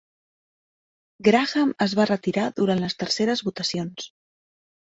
Graham es va retirar durant les terceres votacions.